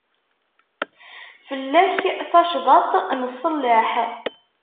Fell-ak tacḍat n ṣṣellaḥ.